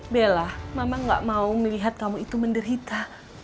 bella mama gak mau melihat kamu itu menderita